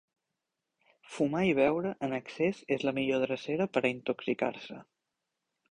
Fumar i beure en excés és la millor drecera per a intoxicar-se.